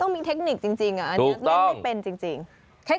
ต้องมีเทคนิคจริงอ่ะเล่นไม่เป็นจริงถูกต้อง